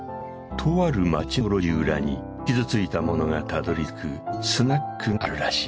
とある街の路地裏に傷ついた者がたどりつくスナックがあるらしい。